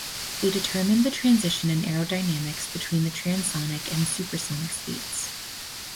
They determined the transition in aerodynamics between transonic and supersonic speeds.